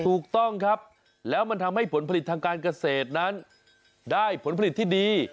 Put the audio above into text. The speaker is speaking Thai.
ถูกต้องครับแล้วมันทำให้ผลผลิตทางการเกษตรนั้นได้ผลผลิตที่ดี